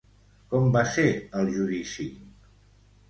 Com va ser el judici?